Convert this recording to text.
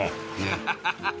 アハハハ。